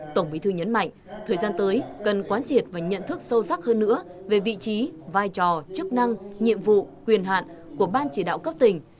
tổng bí thư nhấn mạnh thời gian tới cần quán triệt và nhận thức sâu sắc hơn nữa về vị trí vai trò chức năng nhiệm vụ quyền hạn của ban chỉ đạo cấp tỉnh